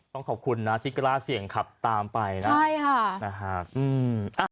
ต้องขอบคุณนะที่กล้าเสี่ยงขับตามไปนะใช่ค่ะนะฮะอืม